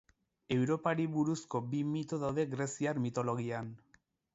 Europari buruzko bi mito daude greziar mitologian.